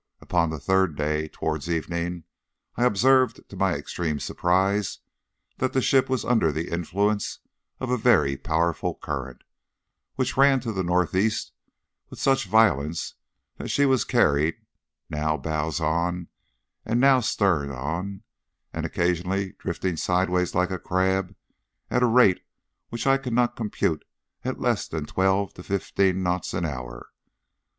Upon the third day, towards evening, I observed to my extreme surprise that the ship was under the influence of a very powerful current, which ran to the north east with such violence that she was carried, now bows on, now stern on, and occasionally drifting sideways like a crab, at a rate which I cannot compute at less than twelve or fifteen knots an hour.